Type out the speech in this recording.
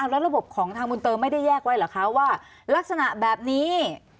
แล้วระบบของทางบุญเติมไม่ได้แยกไว้เหรอคะว่ารักษณะแบบนี้